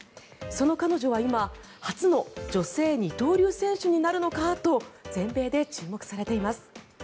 その彼女は今初の女性二刀流選手になるのかと全米で注目されています。